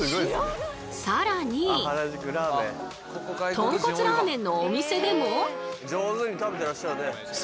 とんこつラーメンのお店でも。